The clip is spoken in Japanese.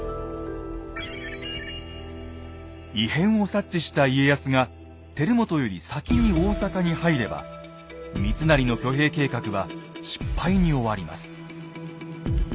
異変を察知した家康が輝元より先に大坂に入れば三成の挙兵計画は失敗に終わります。